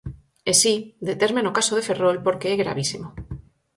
E si, determe no caso de Ferrol, porque é gravísimo.